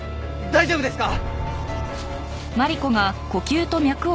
大丈夫ですか！？